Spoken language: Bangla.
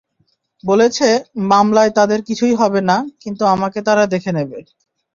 বলেছে, মামলায় তাদের কিছুই হবে না, কিন্তু আমাকে তারা দেখে নেবে।